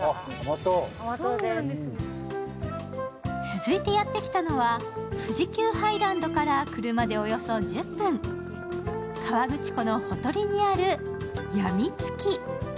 続いてやってきたのは、富士急ハイランドから車でおよそ１０分、河口湖のほとりにある埜蜜喜。